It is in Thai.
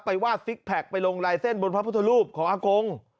วาดซิกแพคไปลงลายเส้นบนพระพุทธรูปของอากง